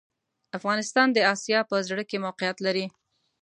افغانستان د اسیا په زړه کي موقیعت لري